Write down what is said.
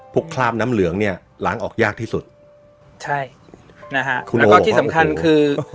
คราบน้ำเหลืองเนี่ยล้างออกยากที่สุดใช่นะฮะแล้วก็ที่สำคัญคือ